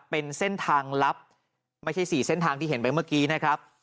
เป็นเส้นทางลับไม่ใช่๔เส้นทางที่เห็นไปเมื่อกี้นะครับ